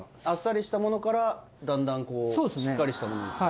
あっさりしたものから、だんだんこう、しっかりしたものに。